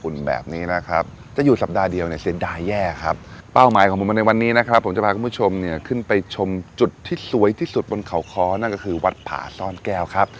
วันนี้นะครับผมจะพาคุณผู้ชมเนี่ยขึ้นไปชมจุดที่สวยที่สุดบนเขาค้อนั่นก็คือวัดผาซ่อนแก้วครับ